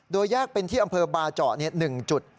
โดยแยกเป็นที่อำเภอบาเจาะ๑จุด